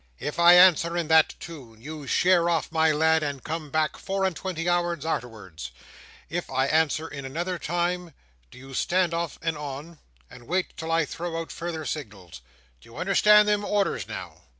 If I answer in that tune, you sheer off, my lad, and come back four and twenty hours arterwards; if I answer in another tune, do you stand off and on, and wait till I throw out further signals. Do you understand them orders, now?"